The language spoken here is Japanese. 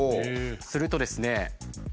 するとですね